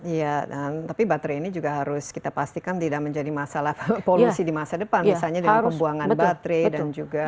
iya dan tapi baterai ini juga harus kita pastikan tidak menjadi masalah polusi di masa depan misalnya dengan pembuangan baterai dan juga